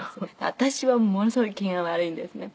私はものすごい機嫌が悪いんですね。